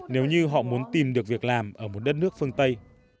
nếu như họ muốn tìm được việc làm ở một đất nước phương tây